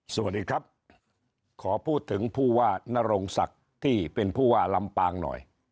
สวัสดีครับขอพูดถึงผู้ว่านโรงศักดิ์ที่เป็นผู้ว่าลำปางหน่อย